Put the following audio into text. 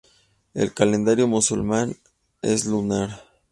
El calendario musulmán es lunar.